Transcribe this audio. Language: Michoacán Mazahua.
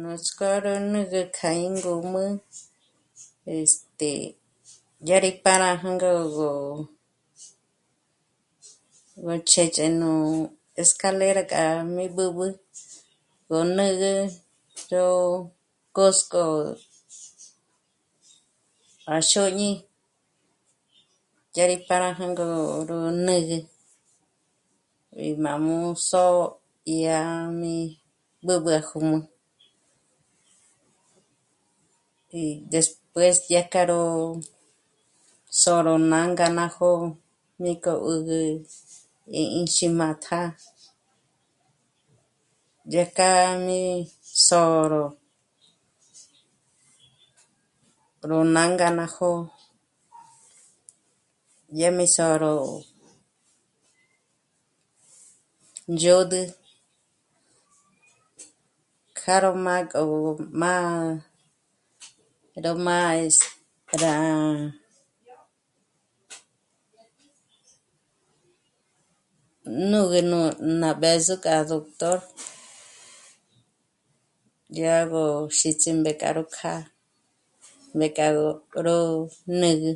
Nuts'k'ó ró nä̌gä kja ín ngǔm'ü, este... dyà rí pâra jü̂ngü gó... nú chédye nú escalera k'a mí b'ǚb'ü gó nä̌gä ró k'ósk'o à xôñi dyà rí pâra jü̂ngü ó ró nä̌gä, eh... májm'ú só'o dyà mí b'ǚb'ü à jǔm'ü. Eh..., después yá k'a ró sôro m'ânga ná jó'o mí k'o 'ö́gü e ín xǐm'a tjâ'a dyájkja mí sôro, ró nânga ná jó'o, dyà mí sôro ndzhôd'ü kjâ'a ró má k'o má'a, ró má'a, este... rá nä̌gä ná b'ë̌zo k'a doctor yá gó xíts'i mbék'a rá gó kjâ'a, né k'a ró... ró nä̌gä